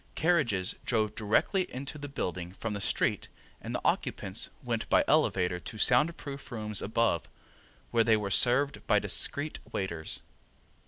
Carriages drove directly into the building from the street and the occupants went by elevator to soundproof rooms above, where they were served by discreet waiters.